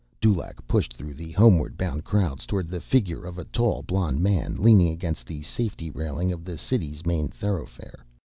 Dulaq pushed through the homeward bound crowds toward the figure of a tall, blond man leaning against the safety railing of the city's main thoroughfare.